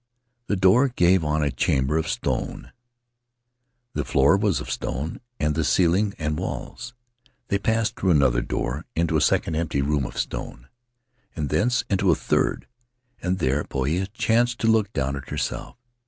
The door gave on a chamber of stone — the floor was of stone, and the ceiling and the walls. They passed through another door into a second empty room of stone, and thence into a third, and there Poia chanced to look down at herself.